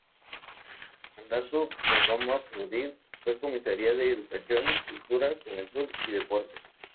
Bajo el mandato de Romano Prodi fue comisaria de educación, cultura, juventud y deportes.